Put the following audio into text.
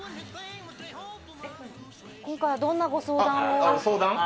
今回はどんなご相談を。